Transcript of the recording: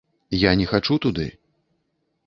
Я не хачу туды.